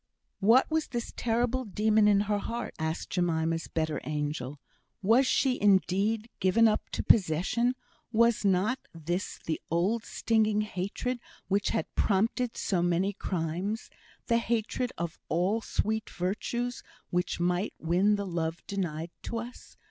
"What was this terrible demon in her heart?" asked Jemima's better angel. "Was she, indeed, given up to possession? Was not this the old stinging hatred which had prompted so many crimes? The hatred of all sweet virtues which might win the love denied to us?